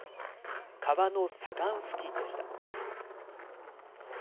川の左岸付近でした。